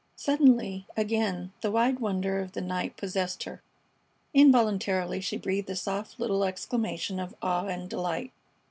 Suddenly, again, the wide wonder of the night possessed her. Involuntarily she breathed a soft little exclamation of awe and delight.